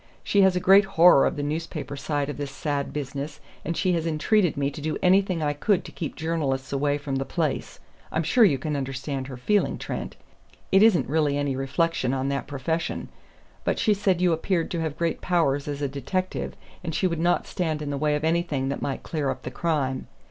She has a great horror of the newspaper side of this sad business, and she had entreated me to do anything I could to keep journalists away from the place I'm sure you can understand her feeling, Trent; it isn't really any reflection on that profession. But she said you appeared to have great powers as a detective, and she would not stand in the way of anything that might clear up the crime.